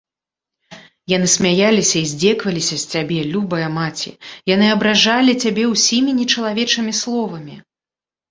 Яны смяяліся і здзекваліся з цябе, любая маці, яны абражалі цябе ўсімі нечалавечымі словамі.